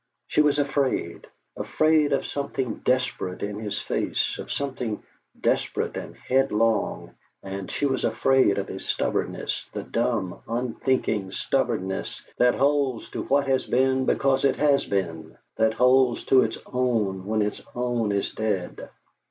She was afraid afraid of something desperate in his face, of something desperate and headlong, and she was afraid of his stubbornness, the dumb, unthinking stubbornness that holds to what has been because it has been, that holds to its own when its own is dead.